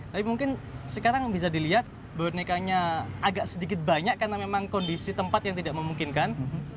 tapi mungkin sekarang bisa dilihat bonekanya agak sedikit banyak karena memang kondisi tempat yang tidak memungkinkan